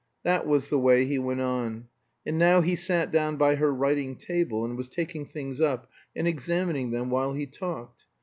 That was the way he went on. And now he sat down by her writing table, and was taking things up and examining them while he talked.